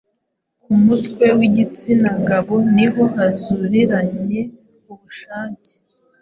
ku mutwe w’igitsina gabo ni ho huzuriranye ubushake